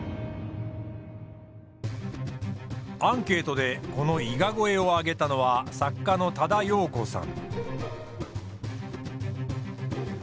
アンケートでこの伊賀越えを挙げたのは作家の多田容子さん。